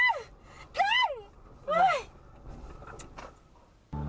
เดี๋ยว